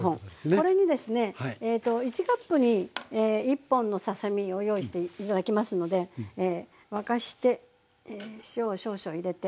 これにですね１カップに１本のささ身を用意して頂きますので沸かして塩を少々入れて。